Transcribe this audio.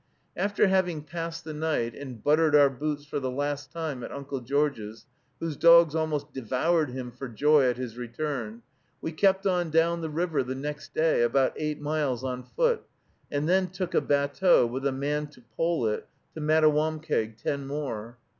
After having passed the night, and buttered our boots for the last time, at Uncle George's, whose dogs almost devoured him for joy at his return, we kept on down the river the next day, about eight miles on foot, and then took a batteau, with a man to pole it, to Mattawamkeag, ten more.